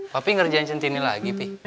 papi ngerjain centini lagi pi